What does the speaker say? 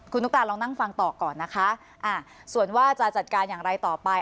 คุณนุตาลองนั่งฟังต่อก่อนนะคะส่วนว่าจะจัดการอย่างไรต่อไป